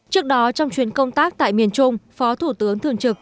trước đó trong chuyến công tác tại miền trung phó thủ tướng thường trực